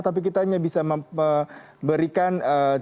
tapi kita hanya bisa memberikan